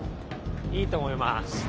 いいと思います。